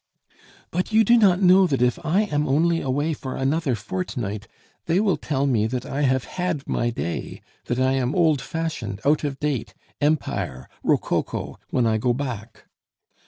"But you do not know that if I am only away for another fortnight, they will tell me that I have had my day, that I am old fashioned, out of date, Empire, rococo, when I go back.